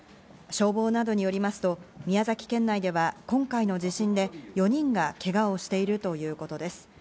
消防などによりますと、宮崎県内では今回の地震で４人が、けがをしているということです。